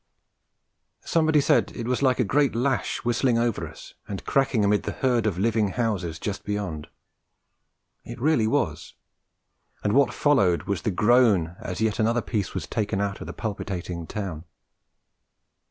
Somebody said it was like a great lash whistling over us and cracking amid the herd of living houses just beyond. It really was; and what followed was the groan as yet another piece was taken out of the palpitating town.